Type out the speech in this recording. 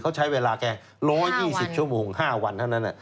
เขาใช้เวลาแค่๑๒๐ชั่วโมง๕วันเท่านั้น